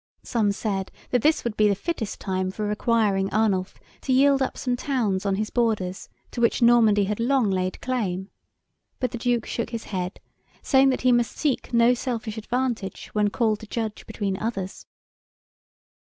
Some said that this would be the fittest time for requiring Arnulf to yield up some towns on his borders, to which Normandy had long laid claim, but the Duke shook his head, saying that he must seek no selfish advantage, when called to judge between others.